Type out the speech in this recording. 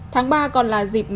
tháng ba còn là dịp